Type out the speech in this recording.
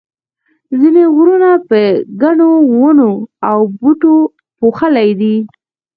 ځینې غرونه په ګڼو ونو او بوټو پوښلي دي.